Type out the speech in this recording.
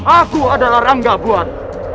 aku adalah ranggabuan